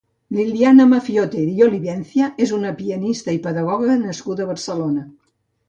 Liliana Maffiotte i Olivencia és una pianista i pedagoga nascuda a Barcelona.